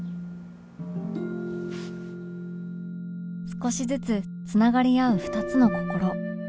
少しずつ繋がり合う２つの心